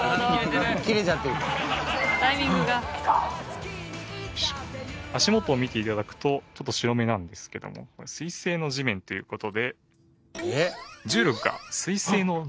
「ハハハ切れちゃってる」「タイミングが」足元を見て頂くとちょっと白めなんですけどもこれ水星の地面という事で重力が「えっ！」